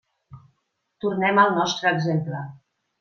Tornem al nostre exemple.